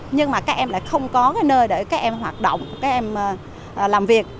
nhưng mà các em lại không có cái nơi để các em hoạt động các em làm việc